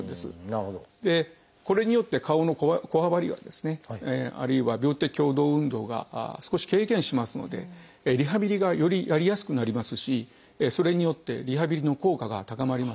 これによって顔のこわばりがあるいは病的共同運動が少し軽減しますのでリハビリがよりやりやすくなりますしそれによってリハビリの効果が高まります。